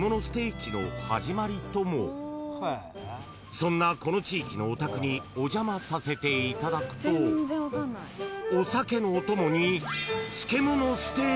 ［そんなこの地域のお宅にお邪魔させていただくとお酒のお供に］